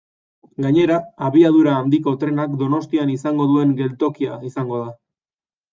Gainera, Abiadura Handiko Trenak Donostian izango duen geltokia izango da.